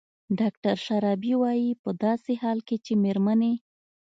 ډاکتر شرابي وايي په داسې حال کې چې مېرمنې